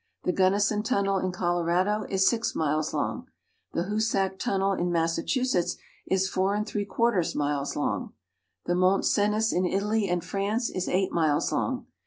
The Gunnison tunnel in Colorado is 6 miles long. The Hoosac tunnel in Massachusetts is 4 3/4 miles long. The Mont Cenis in Italy and France is 8 miles long.